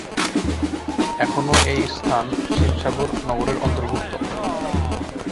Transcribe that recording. এখনো এই স্থান শিবসাগর নগরের অন্তর্ভুক্ত।